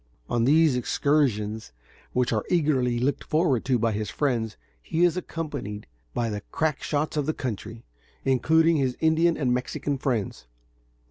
On these excursions, which are eagerly looked forward to by his friends, he is accompanied by the crack shots of the country, including his Indian and Mexican friends.